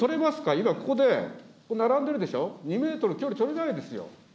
今ここで、並んでるでしょ、２メートル距離取れないですよ。